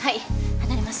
離れます。